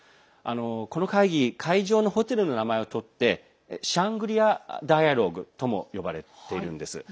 この会議会場のホテルの名前を取ってシャングリラ・ダイアローグとも呼ばれているんです。